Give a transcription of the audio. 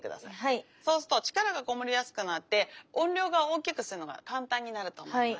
そうすると力がこもりやすくなって音量が大きくするのが簡単になると思います。